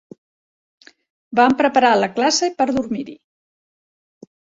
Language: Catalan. Vam preparar la classe per dormir-hi.